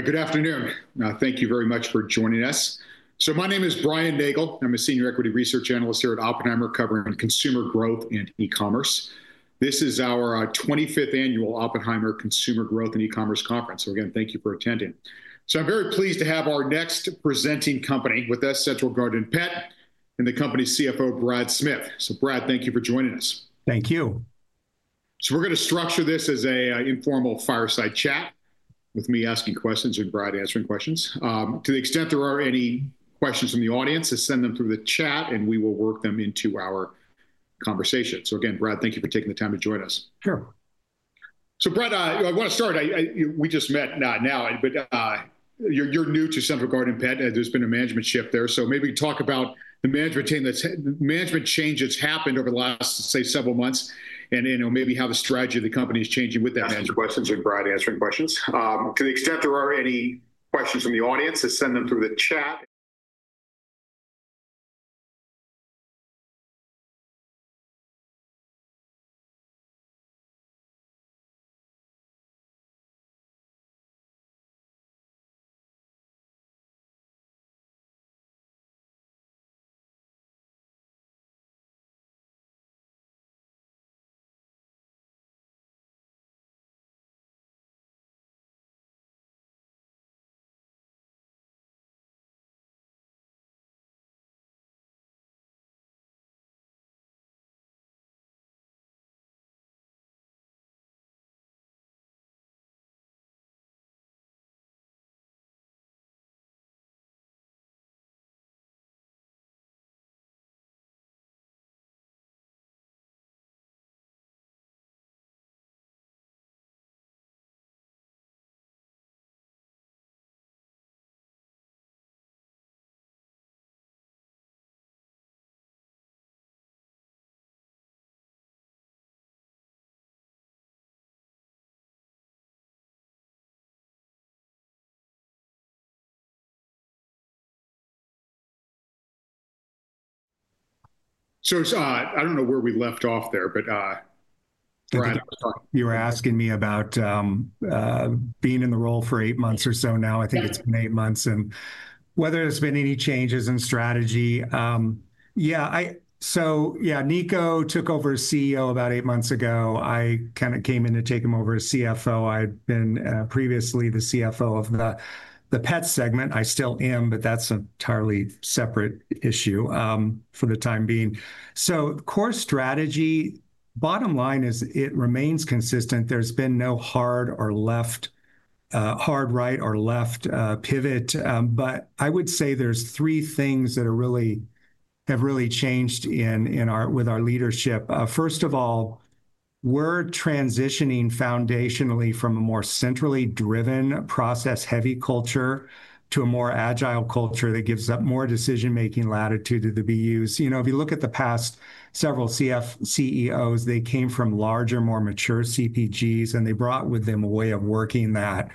Good afternoon. Thank you very much for joining us. My name is Brian Nagel. I'm a senior equity research analyst here at Oppenheimer, covering consumer growth and e-commerce. This is our 25th annual Oppenheimer Consumer Growth and E-commerce Conference. Again, thank you for attending. I'm very pleased to have our next presenting company with us, Central Garden & Pet Company CFO, Brad Smith. Brad, thank you for joining us. Thank you. We're going to structure this as an informal fireside chat with me asking questions and Brad answering questions. To the extent there are any questions from the audience, send them through the chat and we will work them into our conversation. Again, Brad, thank you for taking the time to join us. Sure. Brad, I want to start. We just met now, but you're new to Central Garden & Pet. There's been a management shift there. Maybe talk about the management changes that's happened over the last several months and maybe how the strategy of the company is changing with that management. Ask your questions and Brad answering questions. To the extent there are any questions from the audience, send them through the chat. I don't know where we left off there, but. You were asking me about being in the role for eight months or so now. I think it's been eight months. Whether there's been any changes in strategy. Yeah. Nikko took over CEO about eight months ago. I came in to take him over as CFO. I'd been previously the CFO of the pet segment. I still am, but that's an entirely separate issue for the time being. Core strategy, bottom line is it remains consistent. There's been no hard right or left pivot. I would say there's three things that have really changed with our leadership. First of all, we're transitioning foundationally from a more centrally driven, process-heavy culture to a more agile culture that gives up more decision-making latitude to the BUs. If you look at the past several CEOs, they came from larger, more mature CPGs and they brought with them a way of working that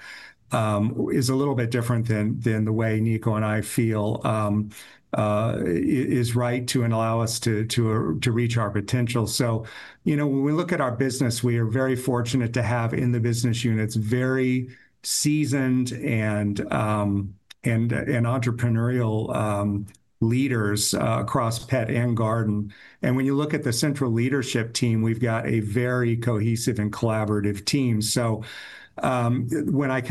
is a little bit different than the way Nikko and I feel is right to allow us to reach our potential. When we look at our business, we are very fortunate to have in the business units very seasoned and entrepreneurial leaders across pet and garden. When you look at the central leadership team, we've got a very cohesive and collaborative team. When I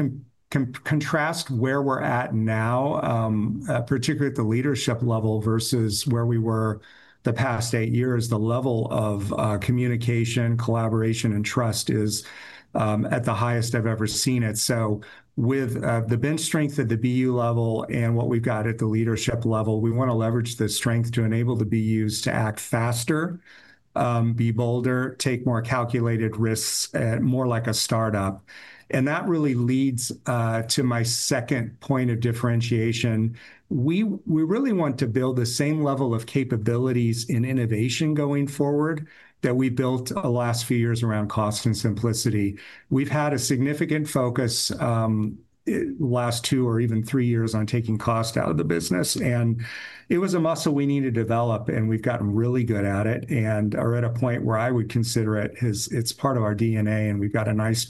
contrast where we're at now, particularly at the leadership level versus where we were the past eight years, the level of communication, collaboration, and trust is at the highest I've ever seen it. With the bench strength at the BU level and what we've got at the leadership level, we want to leverage the strength to enable the BUs to act faster, be bolder, take more calculated risks, more like a startup. That really leads to my second point of differentiation. We really want to build the same level of capabilities in innovation going forward that we built the last few years around cost and simplicity. We've had a significant focus the last two or even three years on taking cost out of the business. It was a muscle we need to develop and we've gotten really good at it. We're at a point where I would consider it as it's part of our DNA and we've got a nice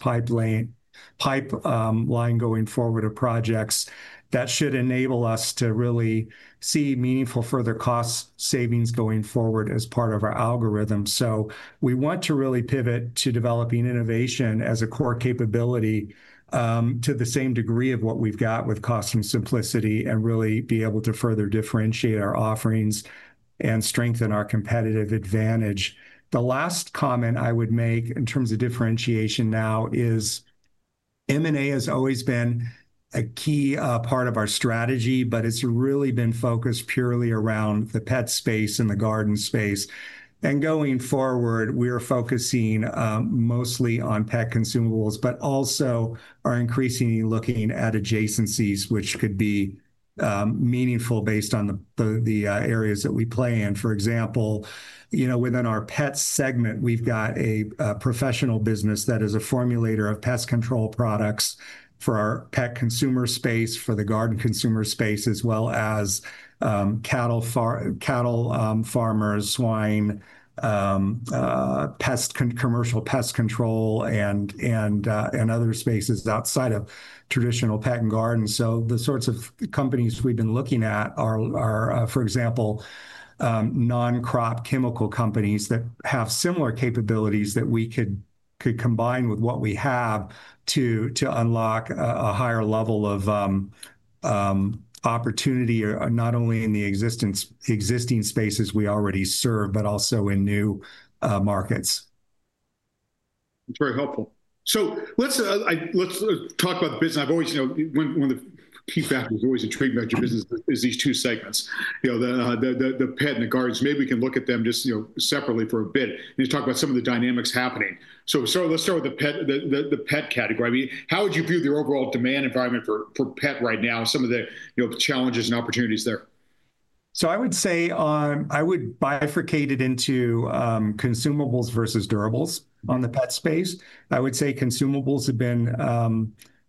pipeline going forward of projects that should enable us to really see meaningful further cost savings going forward as part of our algorithm. We want to really pivot to developing innovation as a core capability to the same degree of what we've got with cost and simplicity and really be able to further differentiate our offerings and strengthen our competitive advantage. The last comment I would make in terms of differentiation now is M&A has always been a key part of our strategy, but it's really been focused purely around the pet space and the garden space. Going forward, we are focusing mostly on pet consumables, but also are increasingly looking at adjacencies, which could be meaningful based on the areas that we play in. For example, within our pet segment, we've got a professional business that is a formulator of pest control products for our pet consumer space, for the garden consumer space, as well as cattle farmers, swine, commercial pest control, and other spaces outside of traditional pet and garden. The sorts of companies we've been looking at are, for example, non-crop chemical companies that have similar capabilities that we could combine with what we have to unlock a higher level of opportunity, not only in the existing spaces we already serve, but also in new markets. That's very helpful. Let's talk about the business. One of the key factors always intrigued me about your business is these two segments, the pet and the gardens. Maybe we can look at them separately for a bit and talk about some of the dynamics happening. Let's start with the pet category. How would you view the overall demand environment for pet right now, some of the challenges and opportunities there? I would say I would bifurcate it into consumables versus durables on the pet space. I would say consumables have been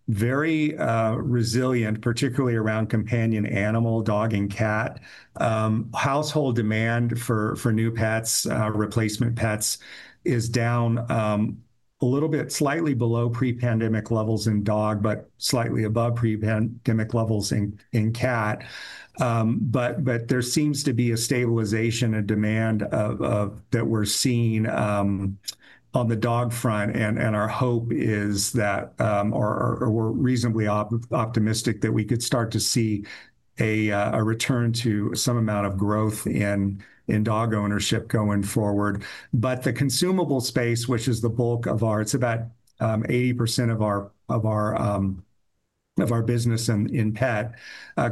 very resilient, particularly around companion animal, dog, and cat. Household demand for new pets, replacement pets is down a little bit, slightly below pre-pandemic levels in dog, but slightly above pre-pandemic levels in cat. There seems to be a stabilization of demand that we're seeing on the dog front. Our hope is that, or we're reasonably optimistic that we could start to see a return to some amount of growth in dog ownership going forward. The consumable space, which is the bulk of ours, it's about 80% of our business in pet,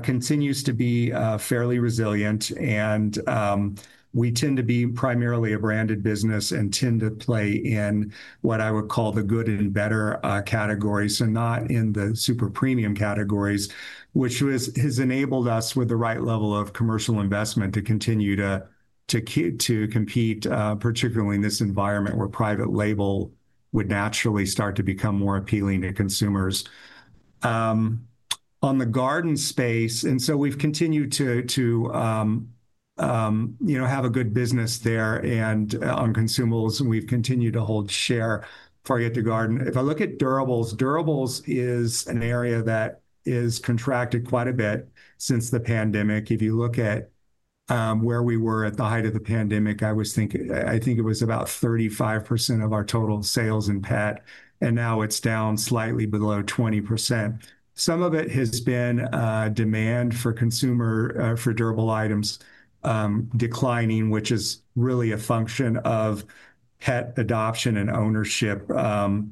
continues to be fairly resilient. We tend to be primarily a branded business and tend to play in what I would call the good and better categories, not in the super premium categories, which has enabled us with the right level of commercial investment to continue to compete, particularly in this environment where private label would naturally start to become more appealing to consumers. On the garden space, we have continued to have a good business there. On consumables, we have continued to hold share for the garden. If I look at durables, durables is an area that has contracted quite a bit since the pandemic. If you look at where we were at the height of the pandemic, I think it was about 35% of our total sales in pet, and now it is down slightly below 20%. Some of it has been demand for durable items declining, which is really a function of pet adoption and ownership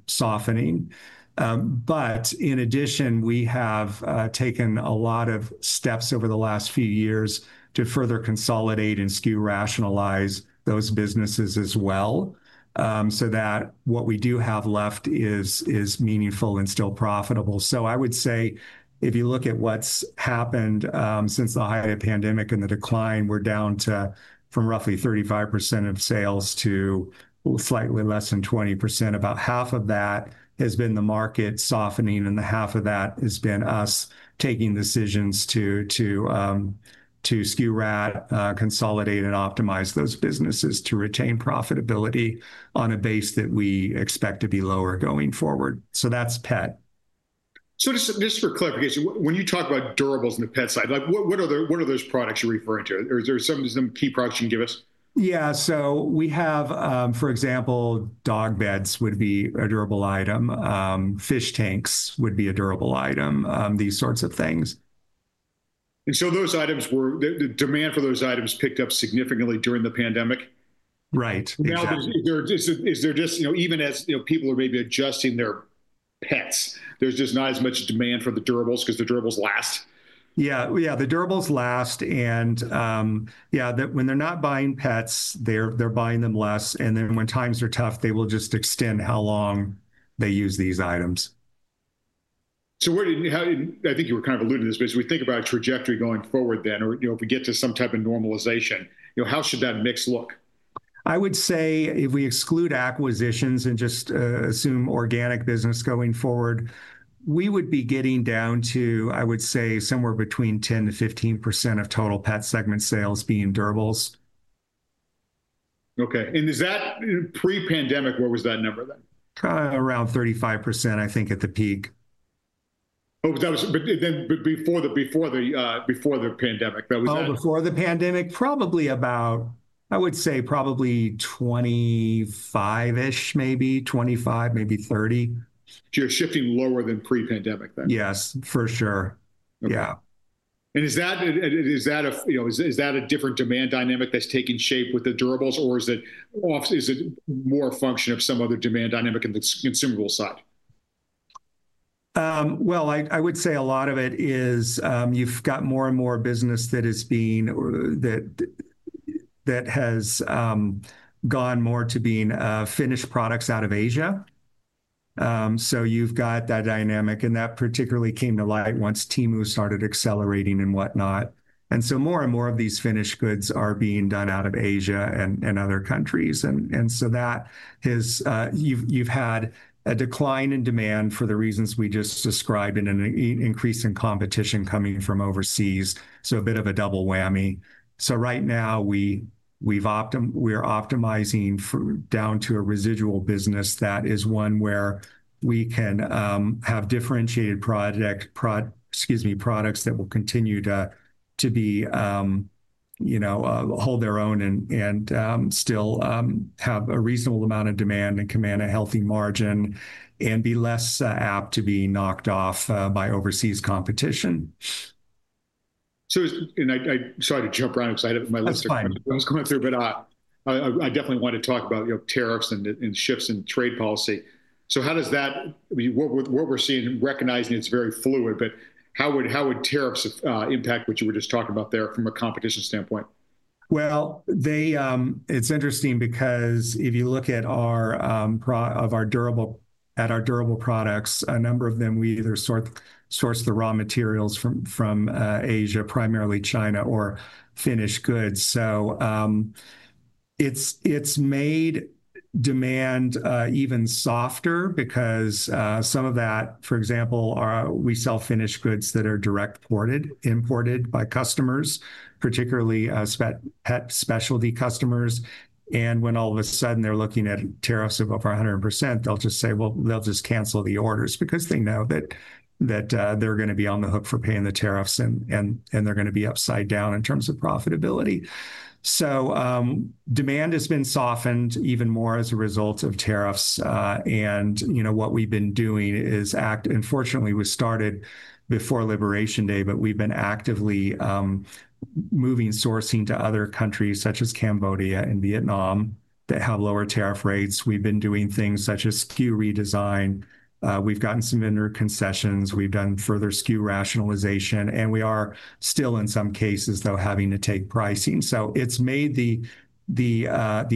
softening. In addition, we have taken a lot of steps over the last few years to further consolidate and SKU rationalize those businesses as well so that what we do have left is meaningful and still profitable. I would say if you look at what's happened since the height of the pandemic and the decline, we're down from roughly 35% of sales to slightly less than 20%. About half of that has been the market softening, and half of that has been us taking decisions to SKU rat, consolidate, and optimize those businesses to retain profitability on a base that we expect to be lower going forward. That's pet. Just for clarification, when you talk about durables on the pet side, what are those products you're referring to? Is there some key products you can give us? Yeah. We have, for example, dog beds would be a durable item. Fish tanks would be a durable item, these sorts of things. Those items, the demand for those items picked up significantly during the pandemic? Right. Now, is there just, even as people are maybe adjusting their pets, there's just not as much demand for the durables because the durables last? Yeah. Yeah, the durables last. Yeah, when they're not buying pets, they're buying them less. When times are tough, they will just extend how long they use these items. How did, I think you were kind of alluding to this, but as we think about a trajectory going forward then, or if we get to some type of normalization, how should that mix look? I would say if we exclude acquisitions and just assume organic business going forward, we would be getting down to, I would say, somewhere between 10%-15% of total pet segment sales being durables. Okay. Pre-pandemic, what was that number then? Around 35%, I think, at the peak. Before the pandemic, that was it? Before the pandemic, probably about, I would say probably 25-ish, maybe 25, maybe 30. You're shifting lower than pre-pandemic then? Yes, for sure. Yeah. Is that a different demand dynamic that's taking shape with the durables, or is it more a function of some other demand dynamic on the consumable side? I would say a lot of it is you've got more and more business that has gone more to being finished products out of Asia. You've got that dynamic, and that particularly came to light once Temu started accelerating and whatnot. More and more of these finished goods are being done out of Asia and other countries. You've had a decline in demand for the reasons we just described and an increase in competition coming from overseas, so a bit of a double whammy. Right now, we are optimizing down to a residual business that is one where we can have differentiated products that will continue to hold their own and still have a reasonable amount of demand and command a healthy margin and be less apt to be knocked off by overseas competition. I'm sorry to jump around because I have my list of things going through, but I definitely want to talk about tariffs and shifts in trade policy. How does that, what we're seeing, recognizing it's very fluid, but how would tariffs impact what you were just talking about there from a competition standpoint? It is interesting because if you look at our durable products, a number of them, we either source the raw materials from Asia, primarily China, or finished goods. It has made demand even softer because some of that, for example, we sell finished goods that are direct imported by customers, particularly pet specialty customers. When all of a sudden they are looking at tariffs of over 100%, they will just cancel the orders because they know that they are going to be on the hook for paying the tariffs and they are going to be upside down in terms of profitability. Demand has been softened even more as a result of tariffs. What we have been doing is, unfortunately, we started before Liberation Day, but we have been actively moving sourcing to other countries such as Cambodia and Vietnam that have lower tariff rates. We have been doing things such as SKU redesign. We have gotten some vendor concessions. We've done further SKU rationalization. We are still in some cases, though, having to take pricing. It's made the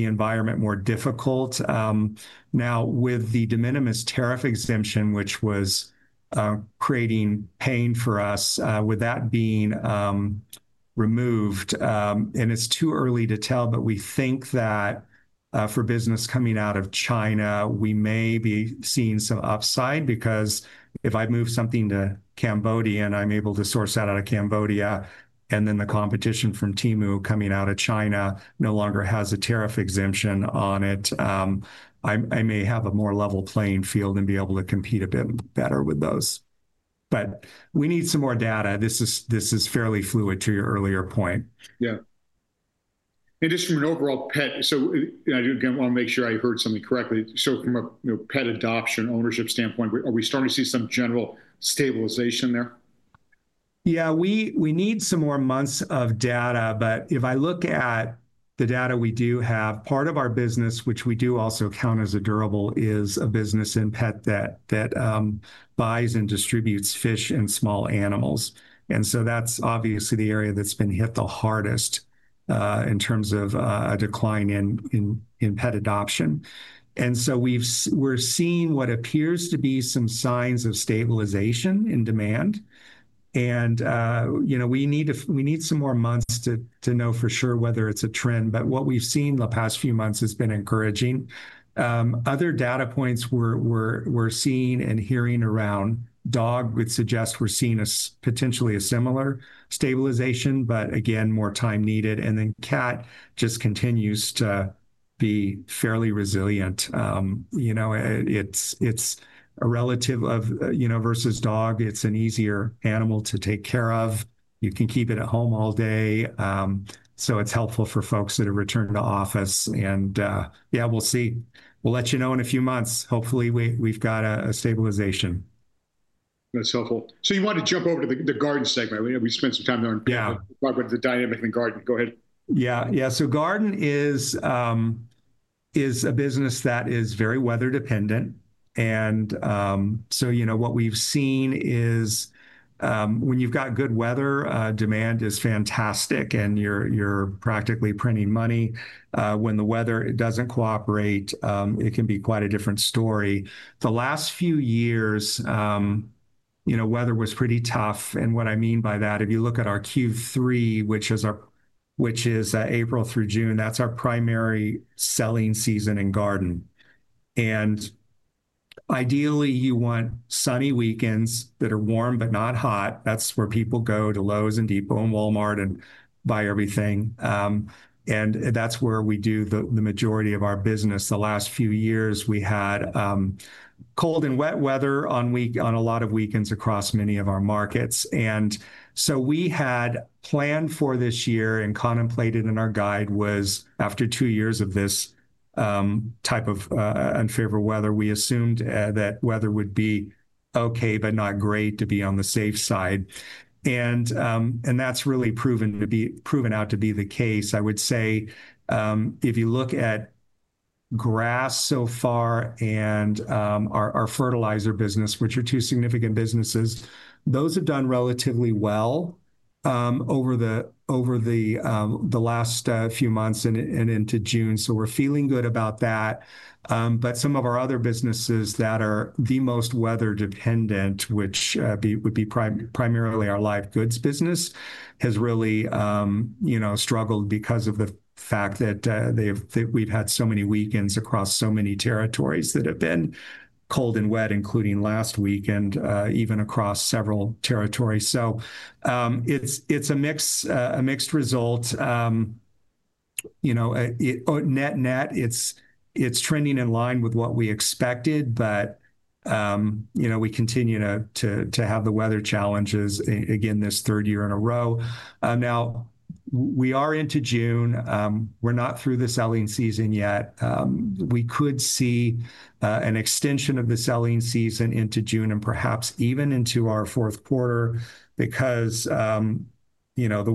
environment more difficult. Now, with the de minimis tariff exemption, which was creating pain for us, with that being removed, it's too early to tell, but we think that for business coming out of China, we may be seeing some upside because if I move something to Cambodia, I'm able to source that out of Cambodia. The competition from Temu coming out of China no longer has a tariff exemption on it. I may have a more level playing field and be able to compete a bit better with those. We need some more data. This is fairly fluid to your earlier point. Yeah. In addition to an overall pet, I want to make sure I heard something correctly. From a pet adoption ownership standpoint, are we starting to see some general stabilization there? Yeah. We need some more months of data. If I look at the data we do have, part of our business, which we do also count as a durable, is a business in pet that buys and distributes fish and small animals. That's obviously the area that's been hit the hardest in terms of a decline in pet adoption. We're seeing what appears to be some signs of stabilization in demand. We need some more months to know for sure whether it's a trend. What we've seen the past few months has been encouraging. Other data points we're seeing and hearing around dog would suggest we're seeing potentially a similar stabilization, but again, more time needed. Cat just continues to be fairly resilient. It's a relative versus dog. It's an easier animal to take care of. You can keep it at home all day. It's helpful for folks that have returned to office. Yeah, we'll see. We'll let you know in a few months. Hopefully, we've got a stabilization. That's helpful. You want to jump over to the garden segment. We spent some time there and talked about the dynamic in the garden. Go ahead. Yeah. Yeah. Garden is a business that is very weather dependent. What we've seen is when you've got good weather, demand is fantastic and you're practically printing money. When the weather does not cooperate, it can be quite a different story. The last few years, weather was pretty tough. What I mean by that, if you look at our Q3, which is April through June, that is our primary selling season in garden. Ideally, you want sunny weekends that are warm but not hot. That is where people go to Lowe's and Home Depot and Walmart and buy everything. That is where we do the majority of our business. The last few years, we had cold and wet weather on a lot of weekends across many of our markets. We had planned for this year and contemplated in our guide was after two years of this type of unfavorable weather, we assumed that weather would be okay, but not great to be on the safe side. That has really proven out to be the case. I would say if you look at grass so far and our fertilizer business, which are two significant businesses, those have done relatively well over the last few months and into June. We are feeling good about that. Some of our other businesses that are the most weather dependent, which would be primarily our live goods business, has really struggled because of the fact that we have had so many weekends across so many territories that have been cold and wet, including last weekend, even across several territories. It is a mixed result. Net net, it's trending in line with what we expected, but we continue to have the weather challenges again this third year in a row. Now, we are into June. We're not through the selling season yet. We could see an extension of the selling season into June and perhaps even into our fourth quarter because the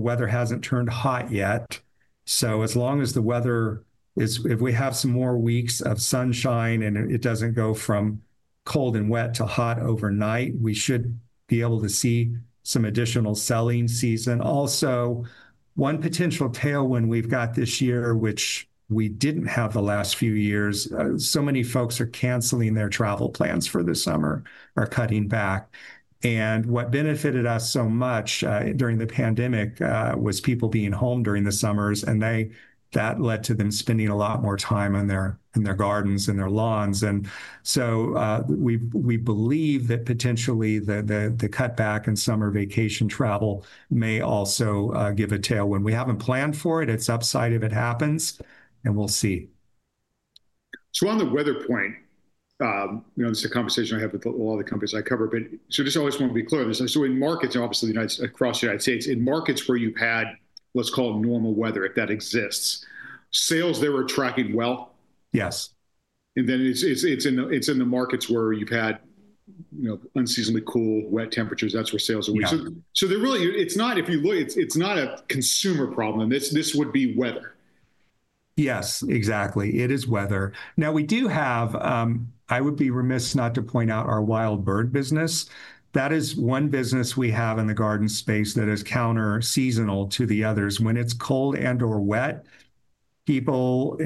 weather hasn't turned hot yet. As long as the weather, if we have some more weeks of sunshine and it doesn't go from cold and wet to hot overnight, we should be able to see some additional selling season. Also, one potential tailwind we've got this year, which we didn't have the last few years, so many folks are canceling their travel plans for the summer, are cutting back. What benefited us so much during the pandemic was people being home during the summers, and that led to them spending a lot more time in their gardens and their lawns. We believe that potentially the cutback in summer vacation travel may also give a tailwind. We have not planned for it. It is upside if it happens, and we will see. On the weather point, this is a conversation I have with all the companies I cover. Just always want to be clear. In markets, obviously, across the United States, in markets where you've had, let's call it normal weather, if that exists, sales, they were tracking well. Yes. It is in the markets where you've had unseasonably cool, wet temperatures. That's where sales are. It's not a consumer problem. This would be weather. Yes, exactly. It is weather. Now, we do have, I would be remiss not to point out our wild bird business. That is one business we have in the garden space that is counter-seasonal to the others. When it's cold and/or wet, people,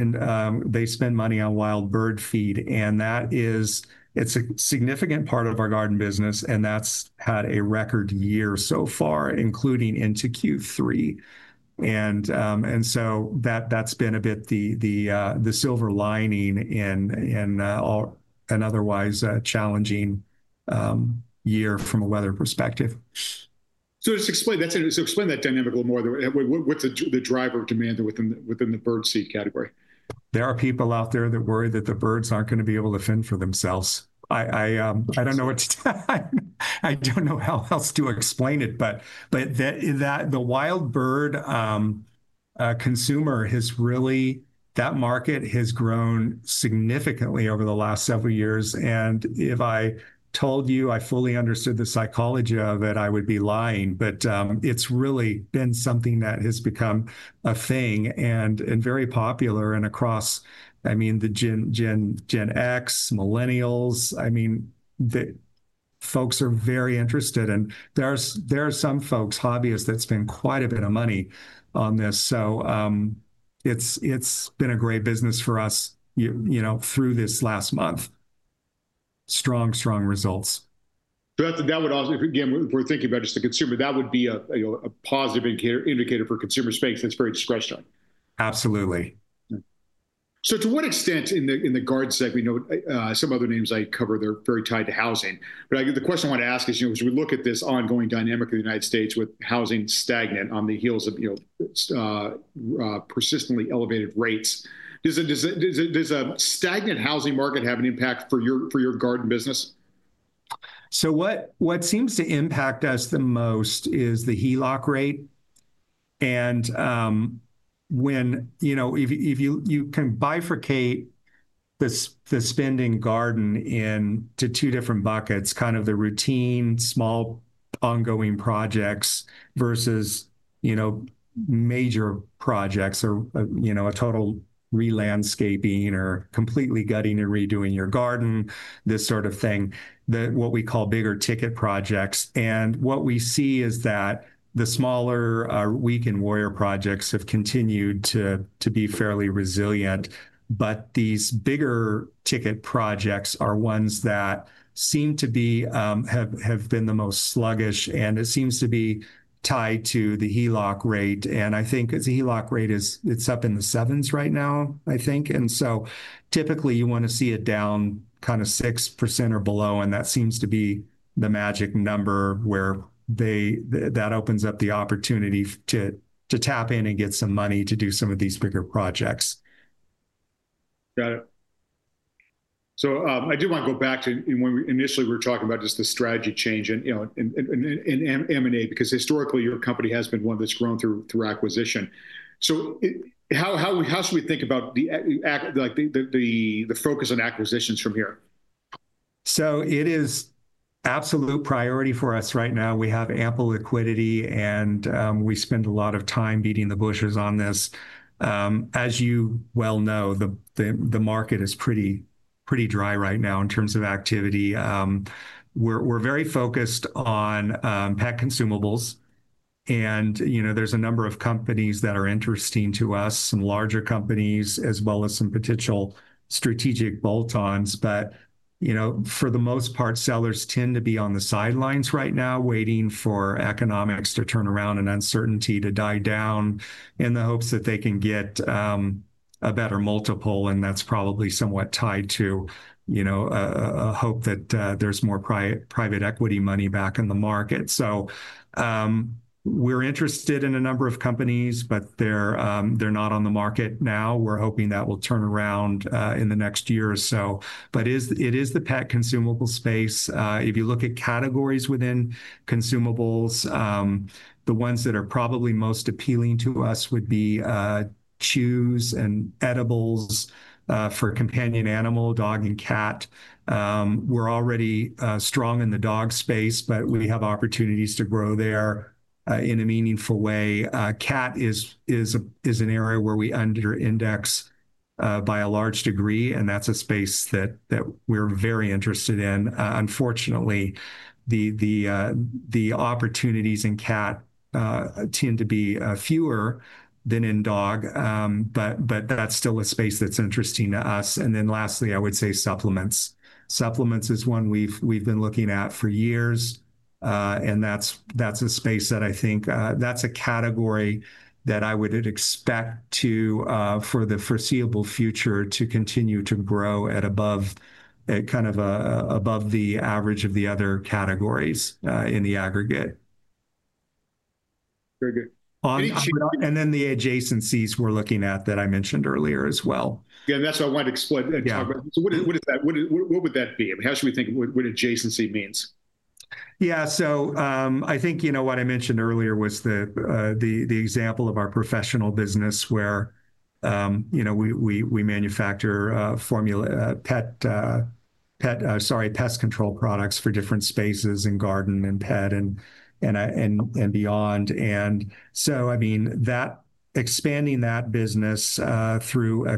they spend money on wild bird feed. It's a significant part of our garden business, and that's had a record year so far, including into Q3. That's been a bit the silver lining in an otherwise challenging year from a weather perspective. Just explain that dynamic a little more. What's the driver of demand within the bird seed category? There are people out there that worry that the birds aren't going to be able to fend for themselves. I don't know how else to explain it, but the wild bird consumer has really, that market has grown significantly over the last several years. If I told you I fully understood the psychology of it, I would be lying. It has really been something that has become a thing and very popular across the Gen X, millennials. Folks are very interested. There are some folks, hobbyists, that spend quite a bit of money on this. It's been a great business for us through this last month. Strong, strong results. Again, if we're thinking about just the consumer, that would be a positive indicator for consumer space that's very discretionary. Absolutely. To what extent in the garden segment, some other names I covered, they're very tied to housing. The question I want to ask is, as we look at this ongoing dynamic in the U.S. with housing stagnant on the heels of persistently elevated rates, does a stagnant housing market have an impact for your garden business? What seems to impact us the most is the HELOC rate. If you can bifurcate the spending garden into two different buckets, kind of the routine small ongoing projects versus major projects or total relandscaping or completely gutting and redoing your garden, this sort of thing, what we call bigger ticket projects. What we see is that the smaller weekend warrior projects have continued to be fairly resilient. These bigger ticket projects are ones that seem to have been the most sluggish, and it seems to be tied to the HELOC rate. I think the HELOC rate is up in the 7% right now, I think. Typically, you want to see it down kind of 6% or below. That seems to be the magic number where that opens up the opportunity to tap in and get some money to do some of these bigger projects. Got it. I do want to go back to when we initially were talking about just the strategy change in M&A because historically your company has been one that's grown through acquisition. How should we think about the focus on acquisitions from here? It is absolute priority for us right now. We have ample liquidity, and we spend a lot of time beating the bushes on this. As you well know, the market is pretty dry right now in terms of activity. We're very focused on pet consumables. There's a number of companies that are interesting to us, some larger companies, as well as some potential strategic bolt-ons. For the most part, sellers tend to be on the sidelines right now, waiting for economics to turn around and uncertainty to die down in the hopes that they can get a better multiple. That's probably somewhat tied to a hope that there's more private equity money back in the market. We're interested in a number of companies, but they're not on the market now. We're hoping that will turn around in the next year or so. It is the pet consumable space. If you look at categories within consumables, the ones that are probably most appealing to us would be chews and edibles for companion animal, dog, and cat. We're already strong in the dog space, but we have opportunities to grow there in a meaningful way. Cat is an area where we underindex by a large degree, and that's a space that we're very interested in. Unfortunately, the opportunities in cat tend to be fewer than in dog, but that's still a space that's interesting to us. Lastly, I would say supplements. Supplements is one we've been looking at for years. That's a space that I think that's a category that I would expect for the foreseeable future to continue to grow at kind of above the average of the other categories in the aggregate. Very good. The adjacencies we're looking at that I mentioned earlier as well. Yeah. That's what I wanted to explain. What would that be? How should we think of what adjacency means? Yeah. I think you know what I mentioned earlier was the example of our professional business where we manufacture pet pest control products for different spaces in garden and pet and beyond. That expanding that business through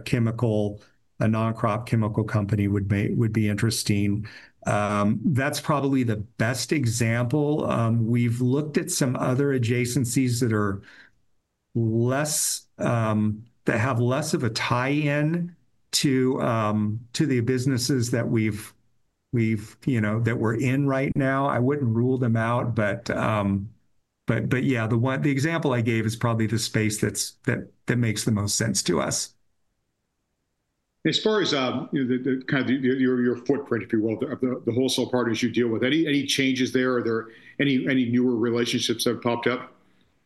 a non-crop chemical company would be interesting. That's probably the best example. We've looked at some other adjacencies that have less of a tie-in to the businesses that we're in right now. I wouldn't rule them out. Yeah, the example I gave is probably the space that makes the most sense to us. As far as kind of your footprint, if you will, of the wholesale partners you deal with, any changes there? Are there any newer relationships that have popped up?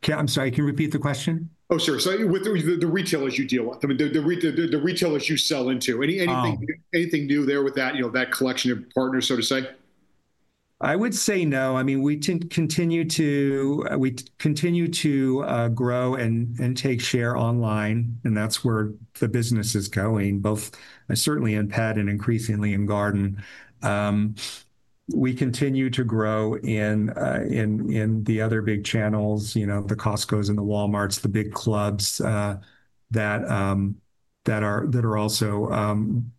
I'm sorry, can you repeat the question? Oh, sure. The retailers you deal with, the retailers you sell into. Anything new there with that collection of partners, so to say? I would say no. We continue to grow and take share online, and that's where the business is going, both certainly in pet and increasingly in garden. We continue to grow in the other big channels, the Costcos and the Walmarts, the big clubs that are also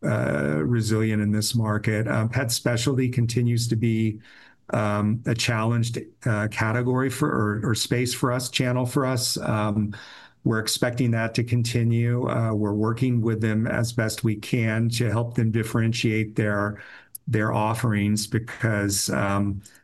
resilient in this market. Pet specialty continues to be a challenged category or space for us, channel for us. We're expecting that to continue. We're working with them as best we can to help them differentiate their offerings because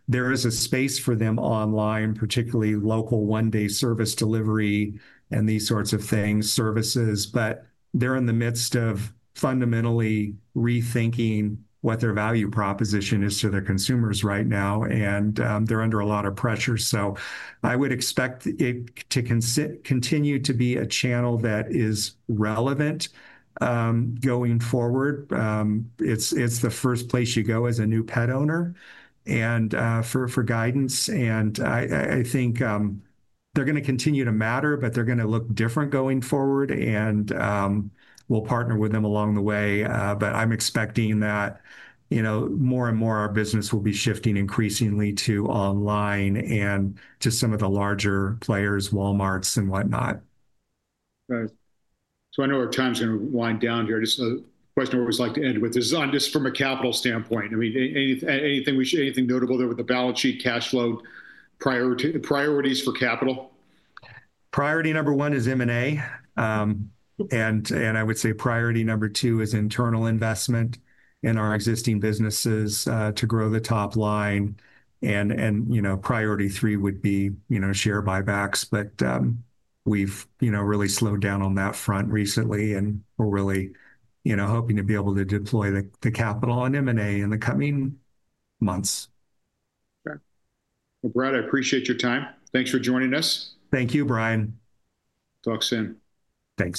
there is a space for them online, particularly local one-day service delivery and these sorts of things, services. They are in the midst of fundamentally rethinking what their value proposition is to their consumers right now, and they are under a lot of pressure. I would expect it to continue to be a channel that is relevant going forward. It's the first place you go as a new pet owner for guidance. I think they're going to continue to matter, they're going to look different going forward, and we'll partner with them along the way. I'm expecting that more and more our business will be shifting increasingly to online and to some of the larger players, Walmarts and whatnot. I know our time's going to wind down here. Just a question I always like to end with is just from a capital standpoint. Anything notable there with the balance sheet, cash flow, priorities for capital? Priority number one is M&A. I would say priority number two is internal investment in our existing businesses to grow the top line. Priority three would be share buybacks. We have really slowed down on that front recently, and we are really hoping to be able to deploy the capital on M&A in the coming months. All right. Brad, I appreciate your time. Thanks for joining us. Thank you, Brian. Talk soon. Thanks.